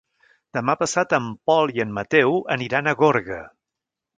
Demà passat en Pol i en Mateu aniran a Gorga.